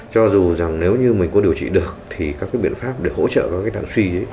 cho dù rằng nếu như mình có điều trị được thì các biện pháp để hỗ trợ các thằng suy